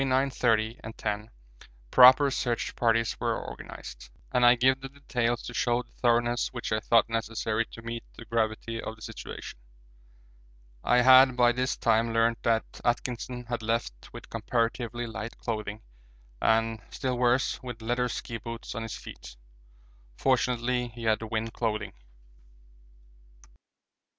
30 and 10 proper search parties were organised, and I give the details to show the thoroughness which I thought necessary to meet the gravity of the situation. I had by this time learnt that Atkinson had left with comparatively light clothing and, still worse, with leather ski boots on his feet; fortunately he had wind clothing.